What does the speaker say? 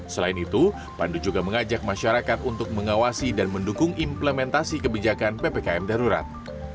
selain itu pandu juga mengajak masyarakat untuk mengawasi dan mendukung implementasi kebijakan ppkm darurat